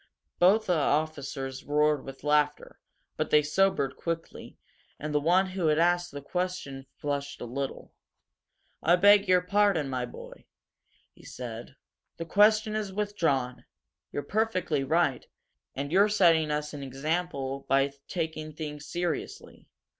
Both the officers roared with laughter, but they sobered quickly, and the one who had asked the question flushed a little. "I beg your pardon, my boy," he said. "The question is withdrawn. You're perfectly right and you're setting us an example by taking things seriously.